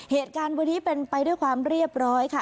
เหตุการณ์วันนี้เป็นไปด้วยความเรียบร้อยค่ะ